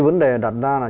vấn đề đặt ra là